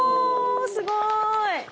すごい。